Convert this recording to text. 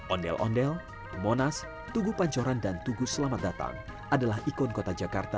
ondel ondel monas tugu pancoran dan tugu selamat datang adalah ikon kota jakarta